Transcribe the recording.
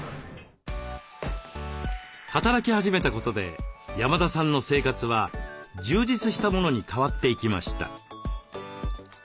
働き始めたことで山田さんの生活は充実したものに変わっていきました。